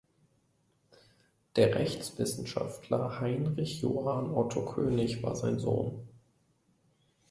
Der Rechtswissenschaftler Heinrich Johann Otto König war sein Sohn.